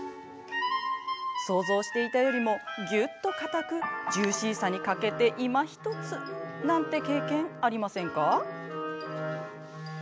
想像していたよりもぎゅっとかたくジューシーさに欠けていまひとつなんて経験ありませんか？